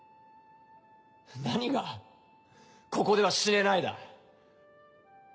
何が「ここでは死ねない」だ。